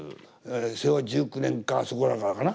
昭和１９年かそこらからかな。